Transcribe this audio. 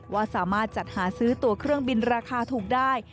ว่าสามารถจัดหาซื้อตัวเครื่องบินราคาถูกได้